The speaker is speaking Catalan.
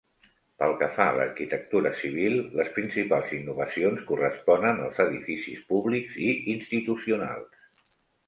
Pel que fa a l'arquitectura civil, les principals innovacions corresponen als edificis públics i institucionals.